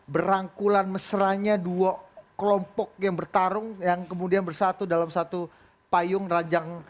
berangkulan mesra nya dua kelompok yang bertarung yang kemudian bersatu dalam satu payung ranjang